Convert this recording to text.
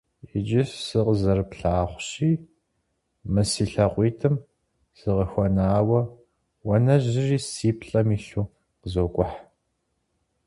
Иджы сыкъызэрыплъагъущи мы си лъакъуитӀым сыкъыхуэнауэ, уанэжьри си плӀэм илъу къызокӀухь.